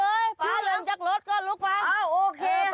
เอาเดี๋ยวเดี๋ยวเดี๋ยวเดี๋ยวเดี๋ยว